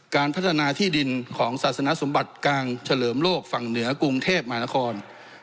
การพัฒนาที่ดินของศาสนสมบัติกลางเฉลิมโลกฝั่งเหนือกรุงเทพมหานคร